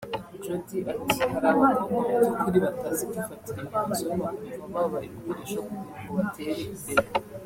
Jody ati “ Hari abakobwa mu by’ukuri batazi kwifatira imyanzuro bakumva baba ibikoresho kugira ngo batere imbere